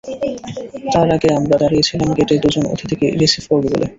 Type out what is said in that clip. তার আগে আমরা দাঁড়িয়ে ছিলাম গেটে দুজন অতিথিকে রিসিভ করব বলে।